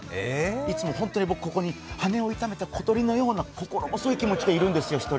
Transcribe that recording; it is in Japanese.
いつも僕、本当に羽を痛めた小鳥のような気持ちでいるんですよ。